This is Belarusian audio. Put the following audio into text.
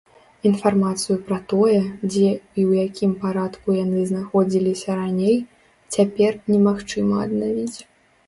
Інфармацыю пра тое, дзе і ў якім парадку яны знаходзіліся раней, цяпер немагчыма аднавіць.